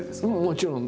もちろん。